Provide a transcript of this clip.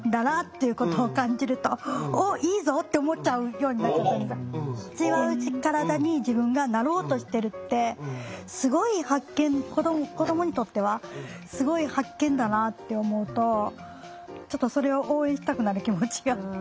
今になったらその子がすごく違う体に自分がなろうとしてるってすごい発見子どもにとってはすごい発見だなって思うとちょっとそれを応援したくなる気持ちが。